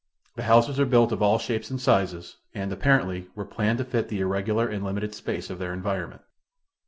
The houses are built of all shapes and sizes and, apparently, were planned to fit the irregular and limited space of their environment.